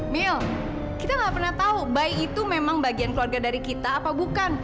mil kita gak pernah tahu bayi itu memang bagian keluarga dari kita apa bukan